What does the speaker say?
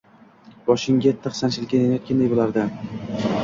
Boshingga tig‘ sanchilayotganday bo‘lardi.